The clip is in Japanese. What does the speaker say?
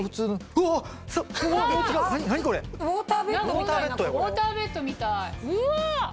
何これ⁉ウオーターベッドみたい。